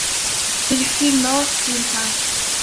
Il fût mort d’une tache.